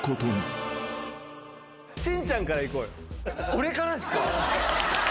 俺からですか？